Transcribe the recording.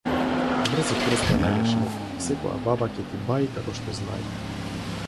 Врзи прст да најдеш лек, секоја баба ќе ти баи како што знаи.